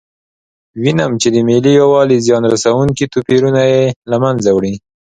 وینم چې د ملي یووالي زیان رسونکي توپیرونه یې له منځه وړي.